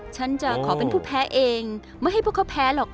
ฉันจะขอเป็นผู้แพ้เองไม่ให้พวกเขาแพ้หรอก